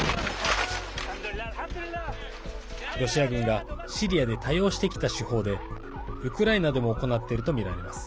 ロシア軍がシリアで多用してきた手法でウクライナでも行っているとみられます。